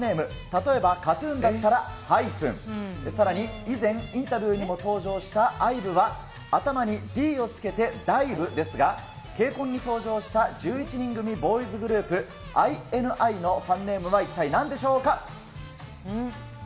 例えばＫＡＴーＴＵＮだったらハイフン、さらに以前、インタビューにも登場したアイブは頭にＤを付けてダイブですが、ケイコンに登場した１１人組ボーイズグループ、ＩＮＩのファンネえっ？